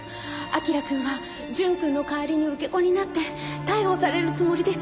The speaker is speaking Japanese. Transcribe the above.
彬くんは淳くんの代わりに受け子になって逮捕されるつもりです！